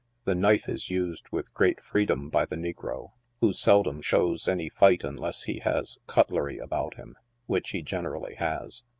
The knife is used with great freedom by the negro, who seldom shows any fight unless he has " cutlery" about him — which he generally has.